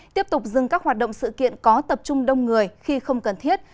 tiếp tục dừng các hoạt động sự kiện có tập trung đông người khi không cần thiết